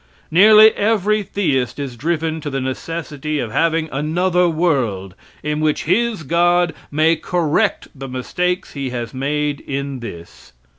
Nearly every theist is driven to the necessity of having another world in which his god may correct the mistakes he has made in this.